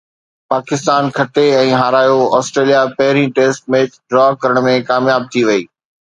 پاڪستان کٽي ۽ هارايو، آسٽريليا پهرين ٽيسٽ ميچ ڊرا ڪرڻ ۾ ڪامياب ٿي وئي